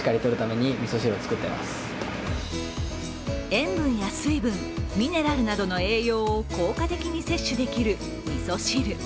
塩分や水分、ミネラルなどの栄養を効果的に摂取できるみそ汁。